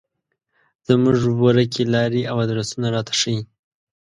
زموږ ورکې لارې او ادرسونه راته ښيي.